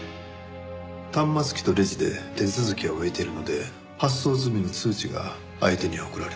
端末機とレジで手続きは終えているので発送済みの通知が相手には送られます。